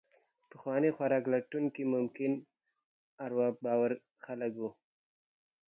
پخواني خوراک لټونکي ممکن اروا باوره خلک وو.